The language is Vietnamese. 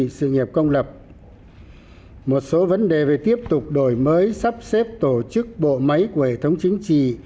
các đơn vị sự nghiệp công lập một số vấn đề về tiếp tục đổi mới sắp xếp tổ chức bộ máy của hệ thống chính trị